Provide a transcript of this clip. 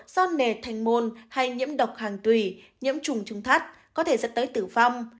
do nề thành môn hay nhiễm độc hàng tùy nhiễm trùng trung thắt có thể dẫn tới tử vong